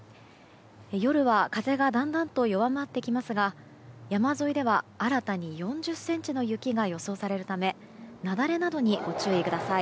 夜は風がだんだんと弱まってきますが山沿いでは新たに４０ｃｍの雪が予想されるため雪崩などにご注意ください。